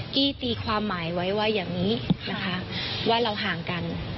กี้ตีความหมายไว้ว่าอย่างนี้นะคะว่าเราห่างกัน